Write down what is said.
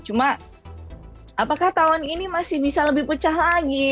cuma apakah tahun ini masih bisa lebih pecah lagi